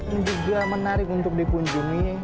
ini juga menarik untuk dikunjungi